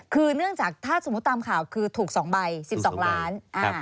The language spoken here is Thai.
คือเนื่องจากถ้าสมมุติตามข่าวคือถูก๒ใบ๑๒ล้าน